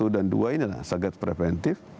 dan dua ini adalah satgas preventif